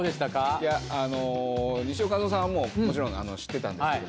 いやあの西尾一男さんはもちろん知ってたんですけど。